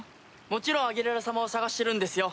もちろんアギレラ様を捜してるんですよ。